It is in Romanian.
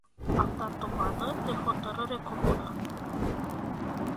Am dat dovadă de hotărâre comună.